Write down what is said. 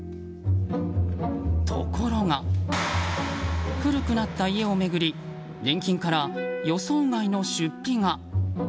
ところが、古くなった家を巡り年金から予想外の出費が。